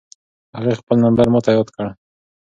هغې خپل نمبر ماته یاد کړ.